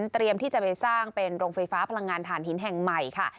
ที่จะไปสร้างเป็นโรงไฟฟ้าพลังงานฐานหินแห่งใหม่ค่ะ